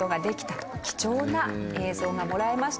「貴重な映像がもらえました」